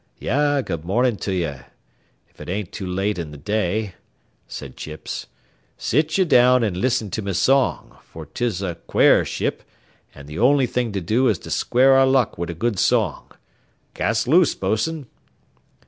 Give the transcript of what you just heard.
"Yah, good mornin' to ye if it ain't too late in the day," said Chips. "Sit ye down an' listen to me song, for 'tis a quare ship, an' th' only thing to do is to square our luck wid a good song. Cast loose, bos'n."